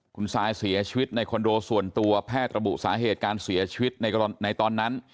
คุณซายเสียชีวิตในคอนโดส่วนตัวแพทย์ระบุสาเหตุการเสียชีวิตในตอนนั้น